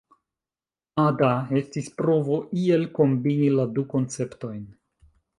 Ada estis provo iel kombini la du konceptojn.